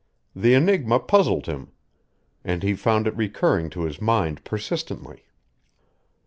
The enigma puzzled him, and he found it recurring to his mind persistently.